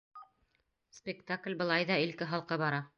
Спектакль былай ҙа илке-һалҡы бара.